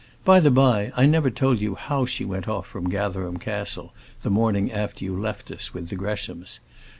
By the by, I never told you how she went off from Gatherum Castle, the morning after you left us, with the Greshams.